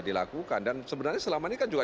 dilakukan dan sebenarnya selama ini kan juga